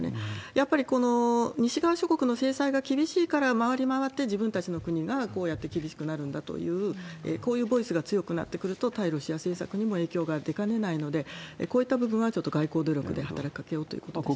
やっぱりこの西側諸国の制裁が厳しいから、回り回って、自分たちの国がこうやって厳しくなるんだという、こういうボイスが強くなってくると、対ロシア政策にも影響が出かねないので、こういった部分はちょっと外交努力で働きかけをということですね。